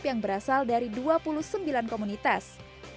yang berasal dari dua puluh sembilan komunitas